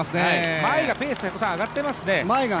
前がペース、やっぱり若干上がっていますね。